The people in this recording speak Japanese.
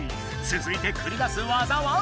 つづいてくり出す技は？